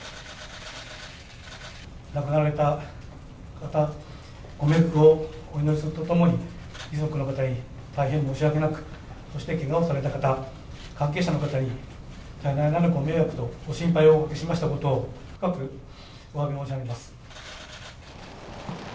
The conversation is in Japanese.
亡くなられた方にご冥福をお祈りするとともに、遺族の方に大変申し訳なく、そして、けがをされた方、関係者の方に多大なるご迷惑とご心配をおかけしましたことを深くおわび申し上げます。